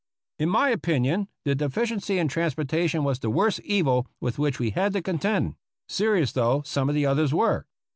In my opinion, the deficiency in transportation was the worst evil with which we had to contend, serious though some of the others were.